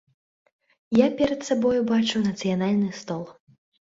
Я перад сабою бачу нацыянальны стол.